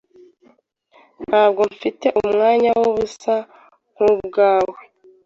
Ntabwo mfite umwanya wubusa nkubwawe.